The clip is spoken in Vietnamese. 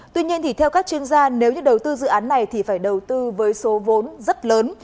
tuy nhiên thì theo các chuyên gia nếu như đầu tư dự án này thì phải đầu tư với số vốn rất lớn